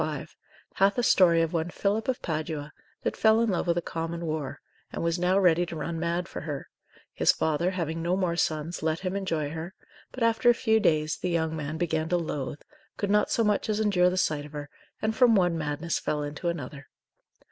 5, hath a story of one Philip of Padua that fell in love with a common whore, and was now ready to run mad for her; his father having no more sons let him enjoy her; but after a few days, the young man began to loath, could not so much as endure the sight of her, and from one madness fell into another.